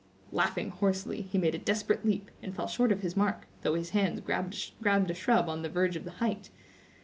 Laughing hoarsely, he made a desperate leap, and fell short of his mark, though his hands grasped a shrub on the verge of the height.